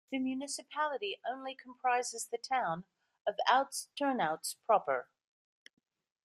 The municipality only comprises the town of Oud-Turnhout proper.